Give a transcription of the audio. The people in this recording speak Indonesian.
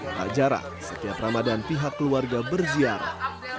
tak jarang setiap ramadan pihak keluarga berziarah